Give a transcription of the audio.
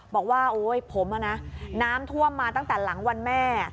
บอกว่าโอ๊ยผมน้ำท่วมมาตั้งแต่หลังวันแม่